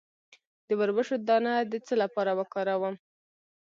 د وربشو دانه د څه لپاره وکاروم؟